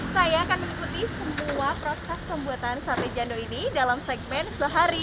saya akan mengikuti semua proses pembuatan sate jando ini dalam segmen sehari